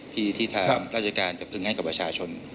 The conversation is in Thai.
ที่ทางราชการจะพึงให้กับประชาชน